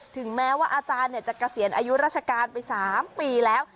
ถึงแม้ว่าอาจารย์จะเกษียณอายุราชการไป๓ปีแล้ว